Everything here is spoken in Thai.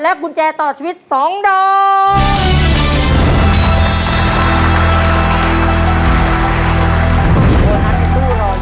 กุญแจต่อชีวิต๒ดอก